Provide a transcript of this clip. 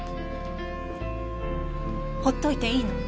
放っといていいの？